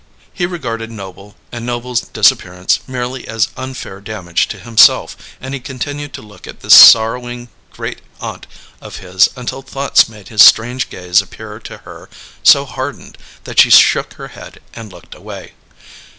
He regarded Noble and Noble's disappearance merely as unfair damage to himself, and he continued to look at this sorrowing great aunt of his until his thoughts made his strange gaze appear to her so hardened that she shook her head and looked away.